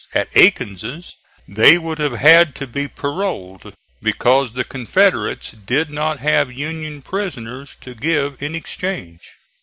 At Aiken's they would have had to be paroled, because the Confederates did not have Union prisoners to give in exchange.